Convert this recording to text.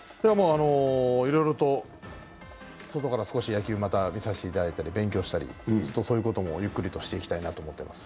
いろいろと外から野球を見させていただいたり、勉強したり、そういうこともゆっくりしてみたいと思います。